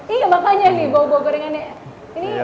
iya makanya nih bau bau gorengannya